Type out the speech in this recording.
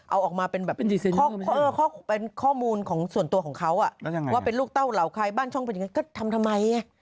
เอาออกมาเป็นแบบเป็นข้อมูลของส่วนตัวของเขาว่าเป็นลูกเต้าเหล่าใครบ้านช่องเป็นยังไงก็ทำทำไม